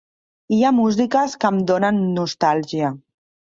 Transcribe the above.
Hi ha músiques que em donen nostàlgia.